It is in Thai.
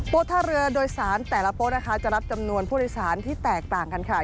ท่าเรือโดยสารแต่ละโป๊ะนะคะจะรับจำนวนผู้โดยสารที่แตกต่างกันค่ะ